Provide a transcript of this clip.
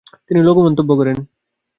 তিনি লঘু মন্তব্য করেন।